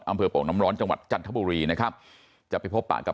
โป่งน้ำร้อนจังหวัดจันทบุรีนะครับจะไปพบปะกับ